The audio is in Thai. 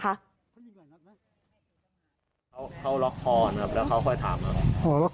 เขาล็อกคอนะครับแล้วเขาก็ถาม